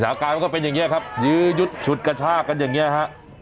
สาวการก็เป็นอย่างนี้ครับยืดชุดกระชากันอย่างนี้ครับ